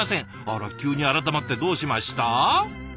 あら急に改まってどうしました？